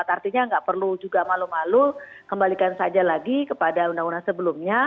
artinya nggak perlu juga malu malu kembalikan saja lagi kepada undang undang sebelumnya